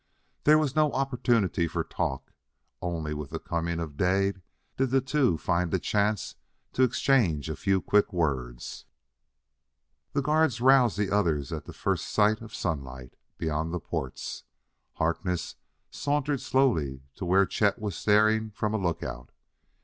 There was no opportunity for talk; only with the coming of day did the two find a chance to exchange a few quick words. The guard roused the others at the first sight of sunlight beyond the ports. Harkness sauntered slowly to where Chet was staring from a lookout.